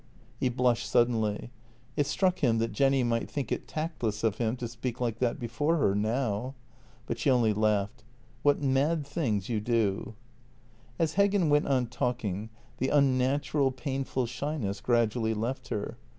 He blushed suddenly. It struck him that Jenny might think it tactless of him to speak like that before her — now. But she only laughed: " What mad things you do! " As Heggen went on talking, the unnatural, painful shyness gradually left her.